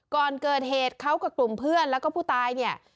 ก่อนเกิดเหตุเขากับกลุ่มเพื่อนแล้วก็ผู้ตายเนี่ย